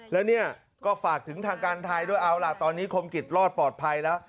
แล้วเนี่ยก็ฝากถึงทางการไทยด้วยเอาล่ะตอนนี้คมกิจรอดปลอดภัยแล้ว